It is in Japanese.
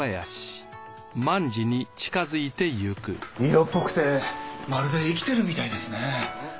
色っぽくてまるで生きてるみたいですね。